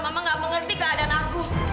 mama gak mengerti keadaan aku